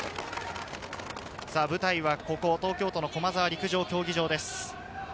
舞台は東京・駒沢陸上競技場です。